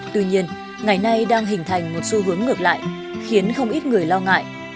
tuy nhiên ngày nay đang hình thành một xu hướng ngược lại khiến không ít người lo ngại